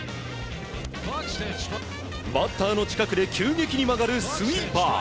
バッターの近くで急激に曲がるスイーパー。